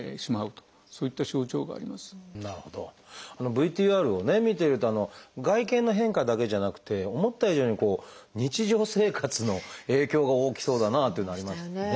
ＶＴＲを見てると外見の変化だけじゃなくて思った以上に日常生活の影響が大きそうだなというのはありますね。